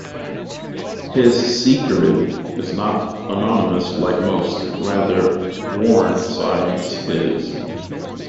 His "secret" is not anonymous like most; rather, Warren signs his.